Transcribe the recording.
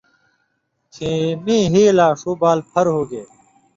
کھیں میں ”ہی لا ݜُو بال پھر“ ہُوگے